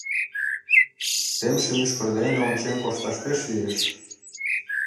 Темше мӱшкыр дене ончен кошташ пеш лиеш.